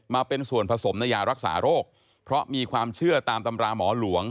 มาเป็นส่วนผสมในยารักษาโรคเพราะมีความเชื่อตามตำราหมอหลวง